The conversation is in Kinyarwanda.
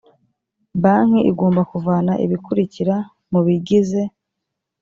banki igomba kuvana ibikurikira mu bigize